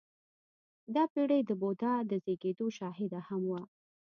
• دا پېړۍ د بودا د زېږېدو شاهده هم وه.